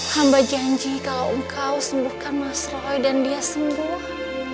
hamba janji kalau engkau sembuhkan mas roy dan dia sembuh